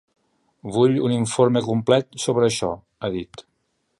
Vull un informe complet sobre això, ha dit.